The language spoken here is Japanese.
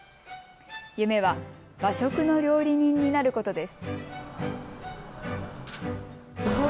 夢は和食の料理人になることです。